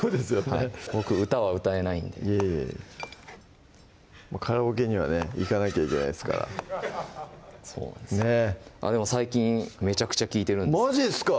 はい僕歌は歌えないんでカラオケにはね行かなきゃいけないですからそうなんですねっ最近めちゃくちゃ聴いてるんですマジっすか！